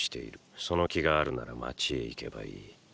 その気があるなら街へ行けばいい。